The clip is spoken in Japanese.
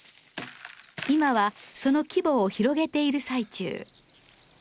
今はその規模を広げている最中。